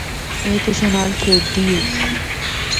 اے تُساں نال کِھیڈدی اے۔